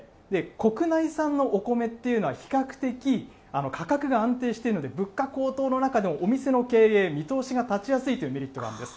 国内産のお米っていうのは比較的価格が安定しているので、物価高騰の中でもお店の経営、見通しが立ちやすいというメリットがあるんです。